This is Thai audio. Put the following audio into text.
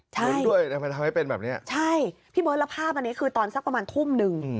ใช่ใช่พี่เบอร์แล้วภาพอันนี้คือตอนสักประมาณทุ่มหนึ่ง